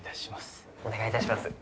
お願いいたします。